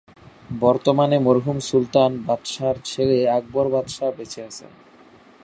বর্তমানে মরহুম সুলতান বাদশাহর ছেলে আকবর বাদশাহ বেঁচে আছেন।